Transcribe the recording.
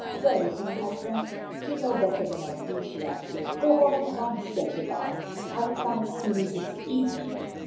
"Where is your husband?" "You know better than I do," she answered. "Go home at once," said Du Pare. "I will come and see you this evening."